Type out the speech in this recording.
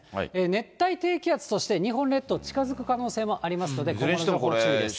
熱帯低気圧として、日本列島近づく可能性もありますので要注意です。